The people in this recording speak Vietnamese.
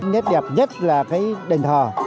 nét đẹp nhất là cái đền thò